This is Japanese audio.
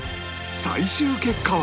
最終結果は